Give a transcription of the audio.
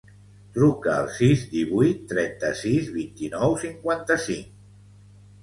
Truca al sis, divuit, trenta-sis, vint-i-nou, cinquanta-cinc.